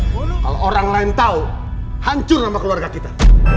kalau orang lain tahu hancur nama keluarga kita